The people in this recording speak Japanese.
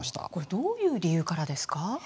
どういう理由からですか？